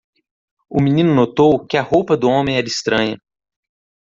O menino notou que a roupa do homem era estranha.